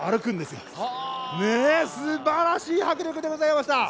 すばらしい迫力でございました。